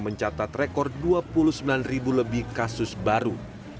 mencatat rekor dua puluh sembilan ribu lebih kasus baru